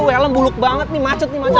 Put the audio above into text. wellnya buluk banget nih macet nih macet